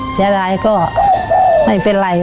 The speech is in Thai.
เสียดายก็ไม่เป็นไร